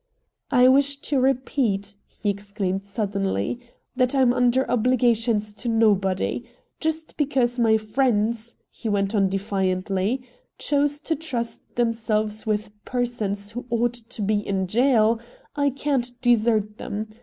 "I wish to repeat," he exclaimed suddenly, "that I'm under obligations to nobody. Just because my friends," he went on defiantly, "choose to trust themselves with persons who ought to be in jail, I can't desert them.